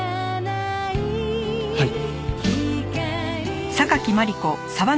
はい。